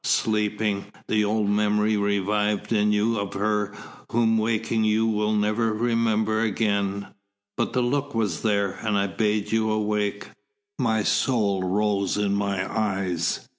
Sleeping, the old memory revived in you of her whom waking you will never remember again. But the look was there, and I bade you awake. My soul rose in my eyes.